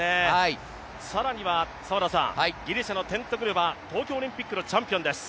更にはギリシャのテントグルは東京オリンピックのチャンピオンです。